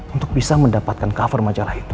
untuk bisa mendapatkan cover majalah itu